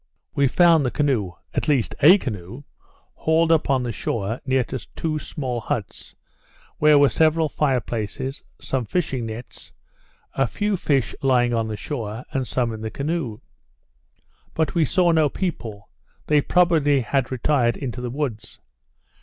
We found the canoe (at least a canoe) hauled upon the shore near to two small huts, where were several fire places, some fishing nets, a few fish lying on the shore, and some in the canoe. But we saw no people; they probably had retired into the woods.